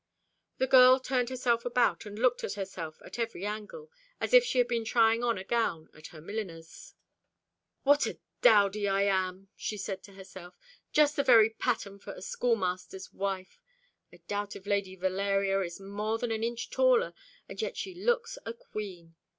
The girl turned herself about, and looked at herself at every angle, as if she had been trying on a gown at her milliner's. "What a dowdy I am!" she said to herself. "Just the very pattern for a schoolmaster's wife. I doubt if Lady Valeria is more than an inch taller; and yet she looks a queen.